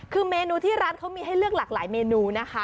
คือเมนูที่ร้านเขามีให้เลือกหลากหลายเมนูนะคะ